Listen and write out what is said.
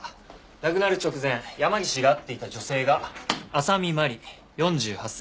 亡くなる直前山岸が会っていた女性が浅見麻里４８歳。